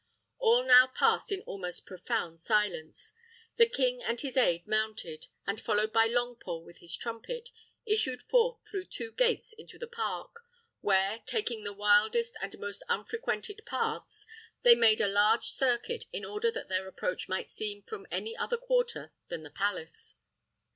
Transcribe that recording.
All now passed in almost profound silence. The king and his aid mounted, and, followed by Longpole with his trumpet, issued forth through two gates into the park, where, taking the wildest and most unfrequented paths, they made a large circuit, in order that their approach might seem from any other quarter than the palace.